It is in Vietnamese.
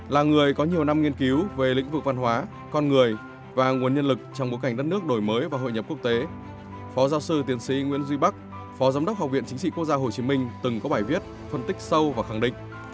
là người có nhiều năm nghiên cứu về lĩnh vực văn hóa con người và nguồn nhân lực trong bối cảnh đất nước đổi mới và hội nhập quốc tế phó giáo sư tiến sĩ nguyễn duy bắc phó giám đốc học viện chính trị quốc gia hồ chí minh từng có bài viết phân tích sâu và khẳng định